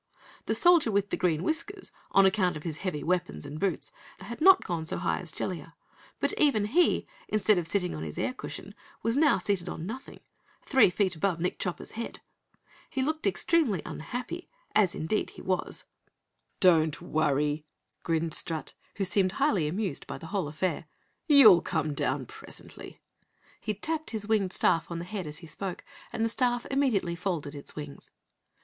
The Soldier with Green Whiskers, on account of his heavy weapons and boots, had not gone so high as Jellia, but even he, instead of sitting on his air cushion, was now seated on nothing three feet above Nick Chopper's head. He looked extremely unhappy, as indeed he was. "Don't worry," grinned Strut, who seemed highly amused by the whole affair, "you'll come down presently." He tapped his winged staff on the head as he spoke, and the staff immediately folded its wings.